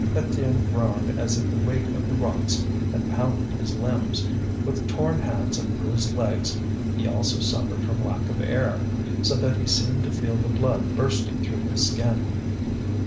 Étienne groaned as if the weight of the rocks had pounded his limbs; with torn hands and bruised legs, he also suffered from lack of air, so that he seemed to feel the blood bursting through his skin.